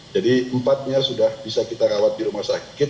jadi empat nya sudah bisa kita rawat di rumah sakit